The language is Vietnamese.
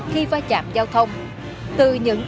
khi va chạm giao thông từ những